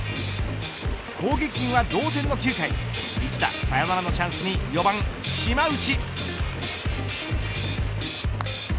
攻撃陣は同点の９回一打サヨナラのチャンスに４番島内。